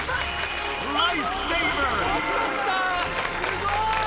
すごい！